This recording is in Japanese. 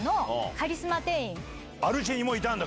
アルシェにもいたんだ